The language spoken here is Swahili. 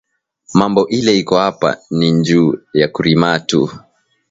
Mambo ile iko apa ni nju ya kurimatu